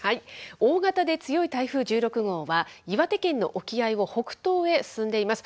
大型で強い台風１６号は、岩手県の沖合を北東へ進んでいます。